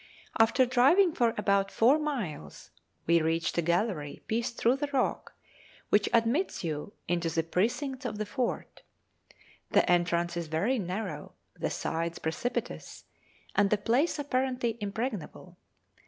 After driving for about four miles we reached a gallery pierced through the rock, which admits you into the precincts of the fort. The entrance is very narrow, the sides precipitous, and the place apparently impregnable.